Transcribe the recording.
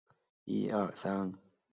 湖南省龙山县水田坝下比寨人。